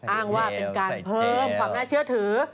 อ้างว่าเป็นการเพิ่มความน่าเชื่อถือ